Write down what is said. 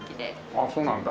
あっそうなんだ。